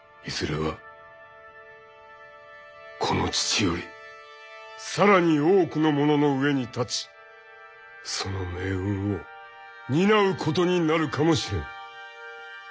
いずれはこの父より更に多くのものの上に立ちその命運を担うことになるかもしれぬ。